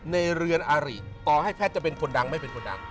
เรือนอาริต่อให้แพทย์จะเป็นคนดังไม่เป็นคนดัง